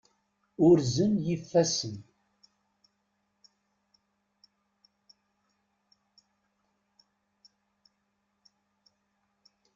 Urzen yifassen.